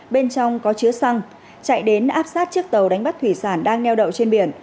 bên trong có chứa xăng chạy đến áp sát chiếc tàu đánh bắt thủy sản đang neo đậu trên biển